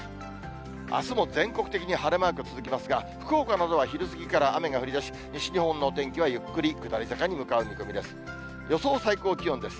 あすも全国的に晴れマーク続きますが、福岡などは昼過ぎから雨が降りだし、西日本のお天気はゆっくり下り坂に向かう見込みです。